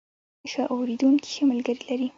ښه اورېدونکي ښه ملګري دي.